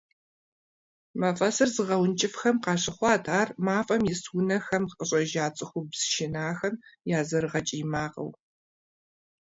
МафӀэсыр зыгъэункӀыфӀхэм къащыхъуат ар мафӀэм ис унэхэм къыщӀэжа цӀыхубз шынахэм я зэрыгъэкӀий макъыу.